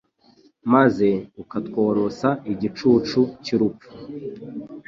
maze ukatworosa igicucu cy’urupfu